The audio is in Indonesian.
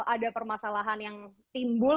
ada permasalahan yang timbul